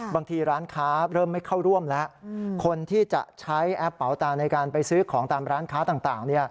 ร้านค้าเริ่มไม่เข้าร่วมแล้วคนที่จะใช้แอปเป๋าตาในการไปซื้อของตามร้านค้าต่าง